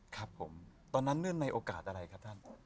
ครับผมตอนนั้นเนื่องในโอกาสอะไรครับท่าน